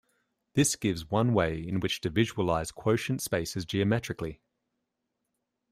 This gives one way in which to visualize quotient spaces geometrically.